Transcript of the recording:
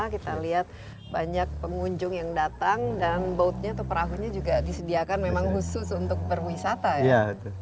kita lihat banyak pengunjung yang datang dan boatnya atau perahunya juga disediakan memang khusus untuk berwisata ya